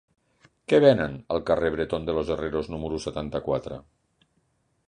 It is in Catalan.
Què venen al carrer de Bretón de los Herreros número setanta-quatre?